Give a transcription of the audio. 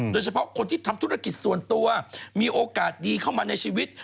โดยเฉพาะคนที่ทำธุรกิจส่วนตัวมีโอกาสดีเข้ามาในชีวิต